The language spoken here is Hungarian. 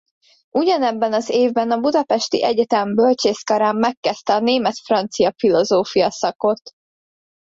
Ugyanebben az évben a budapesti egyetem bölcsészkarán megkezdte a német-francia-filozófia szakot.